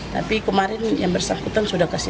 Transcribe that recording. tapi kemarin yang bersangkutan sudah kasih